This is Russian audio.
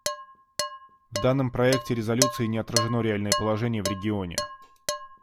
В данном проекте резолюции не отражено реальное положение в регионе.